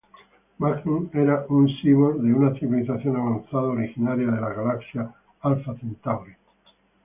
Magnum era un cyborg de una civilización avanzada originaria de la galaxia Alpha Centauri.